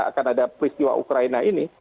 akan ada peristiwa ukraina ini